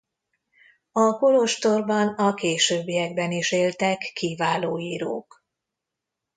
A kolostorban a későbbiekben is éltek kiváló írók.